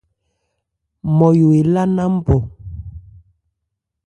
Nmɔyo elá nná npɔ.